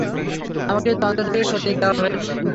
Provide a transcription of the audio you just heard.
আমাকে এই তদন্ত থেকে সরিয়ে দেওয়া হয়েছে।